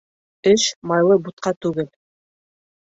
Эш майлы бутҡа түгел.